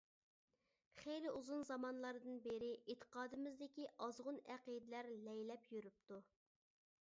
خېلى ئۇزۇن زامانلاردىن بېرى ئېتىقادىمىزدىكى ئازغۇن ئەقىدىلەر لەيلەپ يۈرۈپتۇ.